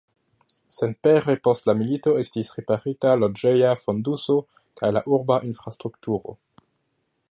Senpere post la milito estis riparita loĝeja fonduso kaj la urba infrastrukturo.